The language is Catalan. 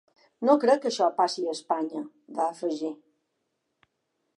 No crec que això passi a Espanya, va afegir.